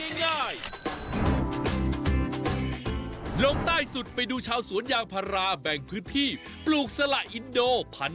ลงใต้สุดไปดูชาวสวนยางพาราแบ่งพื้นที่ปลูกสละอินโด๑๐๐